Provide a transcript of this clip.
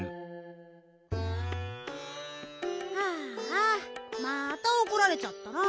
ああまたおこられちゃったな。